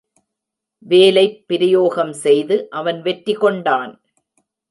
வேலைப் பிரயோகம் செய்து அவன் வெற்றி கொண்டான்.